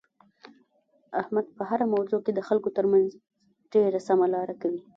احمد په هره موضوع کې د خلکو ترمنځ ډېره سمه لاره کوي.